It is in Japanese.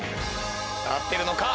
合ってるのか？